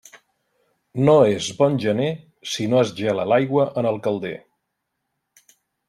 No és bon gener si no es gela l'aigua en el calder.